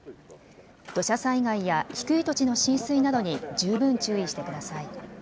土砂災害や低い土地の浸水などに十分注意してください。